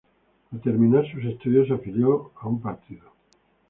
Al terminar sus estudios se afilió al Partido Popular.